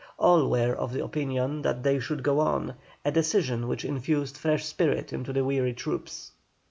All were of opinion that they should go on, a decision which infused fresh spirit into the weary troops.